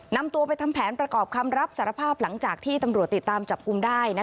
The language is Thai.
นำตัวไปทำแผนประกอบคำรับสารภาพหลังจากที่ตำรวจติดตามจับกลุ่มได้